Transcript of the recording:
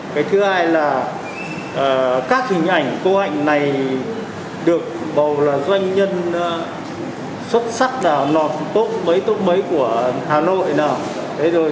cái thứ hai là các hình ảnh cô ảnh này được bầu là doanh nhân xuất sắc là tốt mấy tốt mấy của hà nội